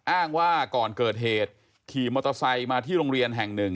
อ้างว่าก่อนเกิดเหตุขี่มอเตอร์ไซค์มาที่โรงเรียนแห่งหนึ่ง